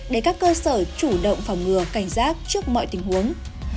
để các cơ sở chủ động phòng ngừa cảnh giác trước mọi tình huống